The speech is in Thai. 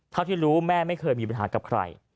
เท่าที่รู้แม่ไม่เคยมีปัญหากับใคร